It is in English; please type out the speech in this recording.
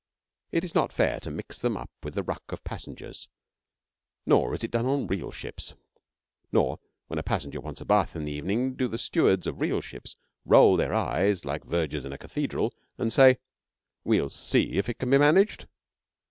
It is not fair to mix them up with the ruck of passengers, nor is it done on real ships. Nor, when a passenger wants a bath in the evening, do the stewards of real ships roll their eyes like vergers in a cathedral and say, 'We'll see if it can be managed.'